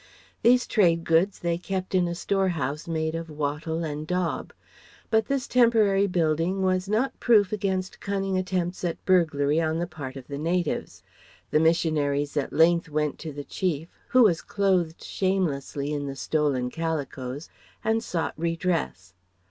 These trade goods they kept in a storehouse made of wattle and daub. But this temporary building was not proof against cunning attempts at burglary on the part of the natives. The missionaries at length went to the Chief (who was clothed shamelessly in the stolen calicoes) and sought redress.